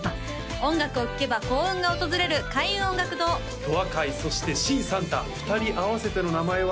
音楽を聴けば幸運が訪れる開運音楽堂とわカイそしてシン・サンタ２人合わせての名前は？